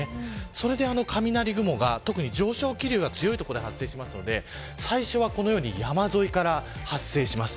それで雷雲が特に上昇気流が強い所で発生するので最初はこのように山沿いから発生します。